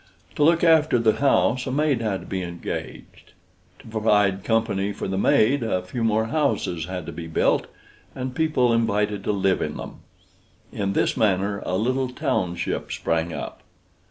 To look after the house a maid had to be engaged. To provide company for the maid a few more houses had to be built, and people invited to live in them. In this manner a little township sprang up.